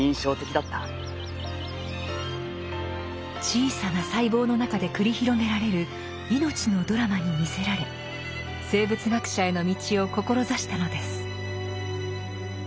小さな細胞の中で繰り広げられる命のドラマに魅せられ生物学者への道を志したのです。